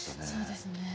そうですね。